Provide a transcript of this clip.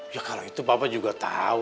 ya kalau itu bapak juga tahu